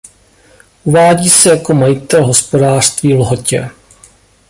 Uvádí se jako majitel hospodářství v Lhotě.